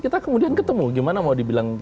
kita kemudian ketemu gimana mau dibilang